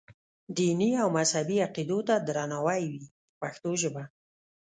دیني او مذهبي عقیدو ته درناوی وي په پښتو ژبه.